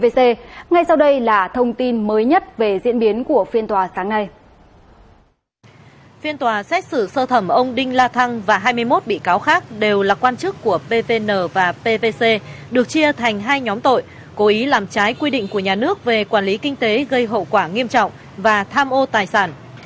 phiên tòa xét xử sơ thẩm ông đinh la thăng và hai mươi một bị cáo khác đều là quan chức của pvn và pvc được chia thành hai nhóm tội cố ý làm trái quy định của nhà nước về quản lý kinh tế gây hậu quả nghiêm trọng và tham ô tài sản